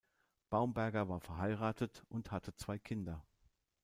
Baumberger war verheiratet und hatte zwei Kinder.